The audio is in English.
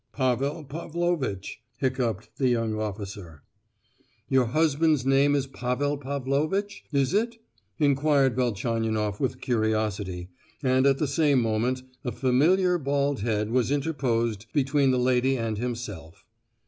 "Pavel Pavlovitch," hiccupped the young officer. "Your husband's name is Pavel Pavlovitch, is it?" inquired Velchaninoff with curiosity, and at the same moment a familiar bald head was interposed between the lady and himself.